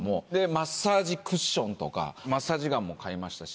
マッサージクッションとかマッサージガンも買いましたし。